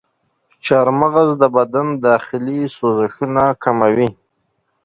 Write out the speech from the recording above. چارمغز د بدن داخلي سوزشونه کموي.